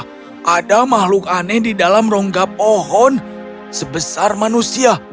karena ada makhluk aneh di dalam rongga pohon sebesar manusia